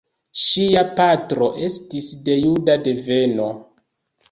Ŝia patro estis de juda deveno.